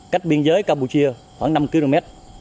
cách biên giới campuchia khoảng năm km